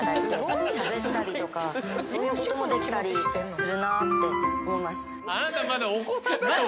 しゃべったりとかそういうこともできたりするなって思います。